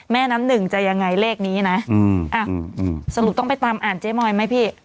แม่น้ำหนึ่งจะยังไงเลขนี้น่ะอืมอ่ะอืมอืมสรุปต้องไปตามอ่านเจ๊มอยมั้ยพี่